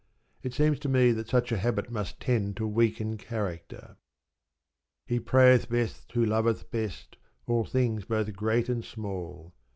It seems to me that such a habit must tend to weaken character. "He prayeth best who loveth best all things both great and small."